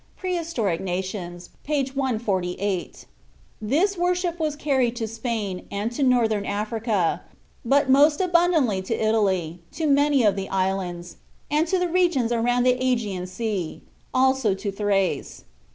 ("Prehistoric Nations," p. 148.) This worship "was carried to Spain, and to Northern Africa, but most abundantly to Italy, to many of the islands, and to the regions around the Ægean Sea; also to Thrace."